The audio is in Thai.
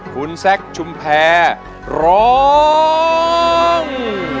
คุณแซคชุมแพรร้อง